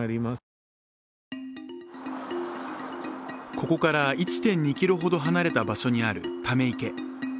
ここから１．２ｋｍほど離れた場所にあるため池。